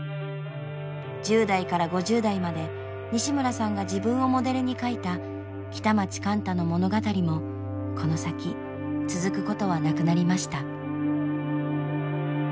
１０代から５０代まで西村さんが自分をモデルに書いた北町貫多の物語もこの先続くことはなくなりました。